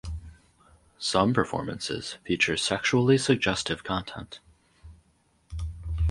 Some performances feature sexually suggestive content.